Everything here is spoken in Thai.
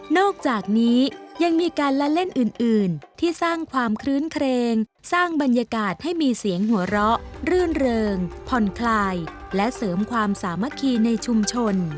อกจากนี้ยังมีการละเล่นอื่นที่สร้างความคลื้นเครงสร้างบรรยากาศให้มีเสียงหัวเราะรื่นเริงผ่อนคลายและเสริมความสามัคคีในชุมชน